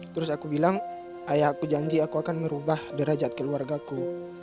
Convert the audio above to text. terus aku bilang ayah aku janji aku akan merubah derajat keluargaku